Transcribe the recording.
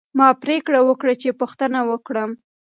ما پریکړه وکړه چې پوښتنه وکړم.